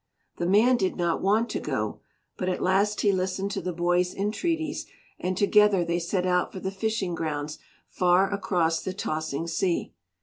The man did not want to go, but at last he listened to the boy's entreaties and together they set out for the fishing grounds far across the tossing sea.